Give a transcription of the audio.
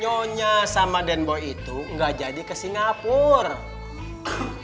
nyonya sama den boy itu gak jadi ke singapura